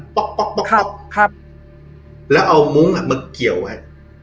๊อกป๊อกป๊อกครับแล้วเอามุ้งอ่ะมาเกี่ยวไว้